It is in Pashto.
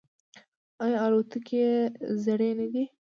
آیا الوتکې یې زړې نه دي؟